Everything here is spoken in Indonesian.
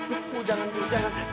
ibu jangan ibu jangan